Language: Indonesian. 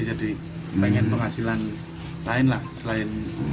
jadi ingin penghasilan lain lah selain